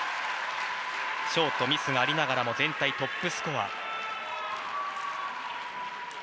ショート、ミスがありながらも全体トップスコア。